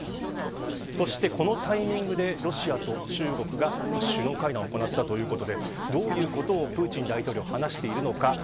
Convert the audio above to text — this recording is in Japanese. そして、このタイミングでロシアと中国が首脳会談を行ったということでどういうことをプーチン大統領は話しているのか。